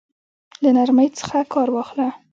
له نرمۍ څخه كار واخله!